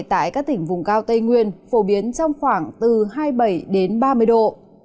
tại các tỉnh vùng cao tây nguyên phổ biến trong khoảng từ hai mươi bảy đến ba mươi độ